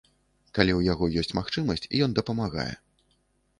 Калі ў яго ёсць магчымасць, ён дапамагае.